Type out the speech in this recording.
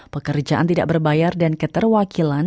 pekerjaan tidak berbayar dan keterwakilan